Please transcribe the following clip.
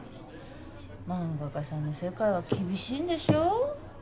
漫画家さんの世界は厳しいんでしょ？